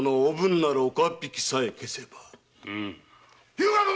・日向殿！